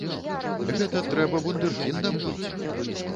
Гэта трэба вундэркіндам быць!